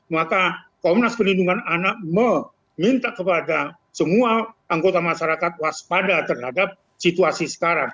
maka komnas perlindungan anak meminta kepada semua anggota masyarakat waspada terhadap situasi sekarang